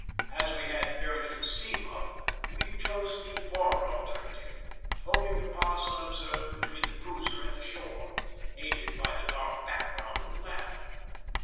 As we had very little steam up we chose the former alternative, hoping to pass unobserved between the cruiser and the shore, aided by the dark background of the latter.